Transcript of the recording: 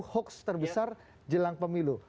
hoax terbesar jelang pemilu